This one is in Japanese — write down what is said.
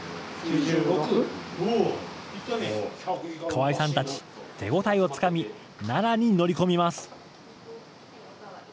川井さんたち、手応えをつかみ、奈良に乗り込みます。